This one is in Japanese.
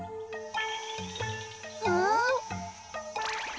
うん？